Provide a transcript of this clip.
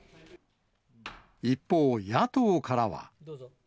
一方、野党からは。